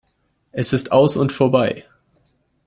Es ist aus und vorbei.